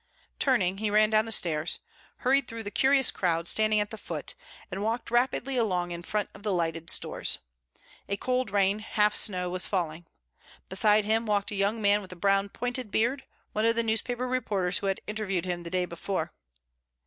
Turning he ran down the stairs, hurried through the curious crowd standing at the foot, and walked rapidly along in front of the lighted stores. A cold rain, half snow, was falling. Beside him walked a young man with a brown pointed beard, one of the newspaper reporters who had interviewed him the day before.